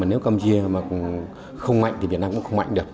nếu campuchia mà không mạnh thì việt nam cũng không mạnh được